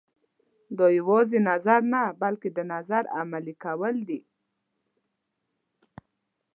دا یوازې نظر نه بلکې د نظر عملي کول دي.